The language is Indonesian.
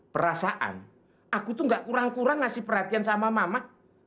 perasaan aku tuh gak kurang kurang ngasih perhatian sama mama